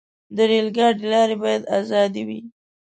د ریل ګاډي لارې باید آزادې وي.